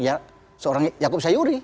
ya seorang yaakob sayuri